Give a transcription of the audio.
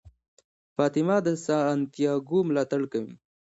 فاطمه د سانتیاګو ملاتړ کوي.